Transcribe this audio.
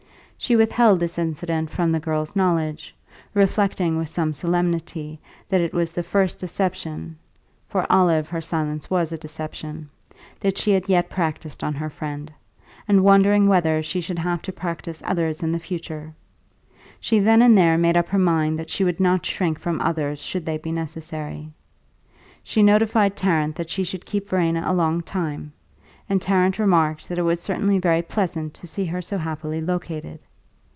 She withheld this incident from the girl's knowledge, reflecting with some solemnity that it was the first deception (for Olive her silence was a deception) that she had yet practised on her friend, and wondering whether she should have to practise others in the future. She then and there made up her mind that she would not shrink from others should they be necessary. She notified Tarrant that she should keep Verena a long time, and Tarrant remarked that it was certainly very pleasant to see her so happily located.